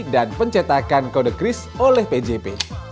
dan pencetakan kode kris oleh pjp